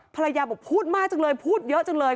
ภรรยาบอกพูดมากจังเลยพูดเยอะจังเลย